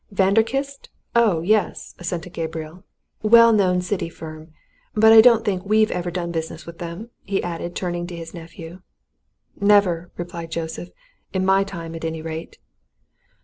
"Vanderkiste? Oh, yes!" assented Gabriel. "Well known city firm. But I don't think we've ever done business with them," he added, turning to his nephew. "Never!" replied Joseph. "In my time, at any rate."